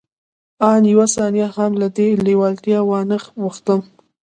آن يوه ثانيه هم له دې لېوالتیا وانه وښتم.